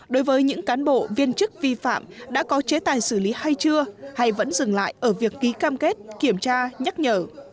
đối với những cán bộ viên chức vi phạm đã có chế tài xử lý hay chưa hay vẫn dừng lại ở việc ký cam kết kiểm tra nhắc nhở